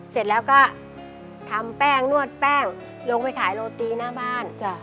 เสร็จแล้วก็ทำแป้งนวดแป้งลงไปขายโรตีหน้าบ้าน